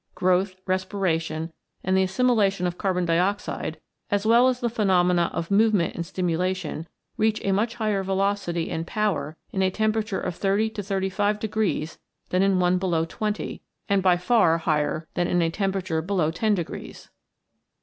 Growth, respiration, and the assimilation of carbon dioxide, as well as the phenomena of movement and stimulation, reach a much higher velocity and power in a temperature of 30 to 35 degrees than in one below 20, and by far higher than in a temperature below 10 degrees.